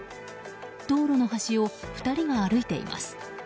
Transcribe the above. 道路の端を２人が歩いています。